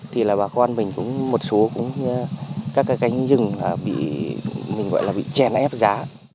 thì là bà con mình cũng một số các cái cánh rừng bị mình gọi là bị chèn ép giá